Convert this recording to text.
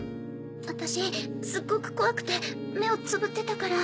私すっごく怖くて目をつぶってたから。